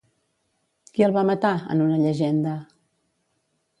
Qui el va matar, en una llegenda?